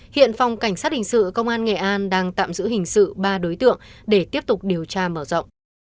hiện phòng cảnh sát hình sự công an nghệ an đang tạm giữ hình sự ba đối tượng để tiếp tục điều tra mở rộng